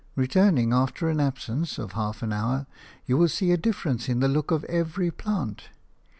Returning after an absence of half an hour, you will see a difference in the look of every plant.